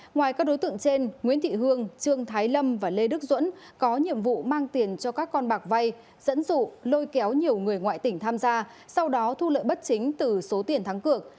ngoài các đối tượng trên nguyễn thị hương trương thái lâm và lê đức duẫn có nhiệm vụ mang tiền cho các con bạc vay dẫn dụ lôi kéo nhiều người ngoại tỉnh tham gia sau đó thu lợi bất chính từ số tiền thắng cược